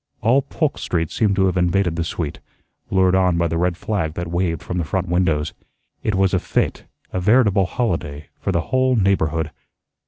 All Polk Street seemed to have invaded the suite, lured on by the red flag that waved from the front windows. It was a fete, a veritable holiday, for the whole neighborhood.